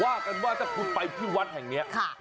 ว่ากันว่าจะพูดไปที่วัดแห่งเนี้ยค่ะ